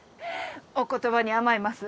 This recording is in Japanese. お言葉に甘えます。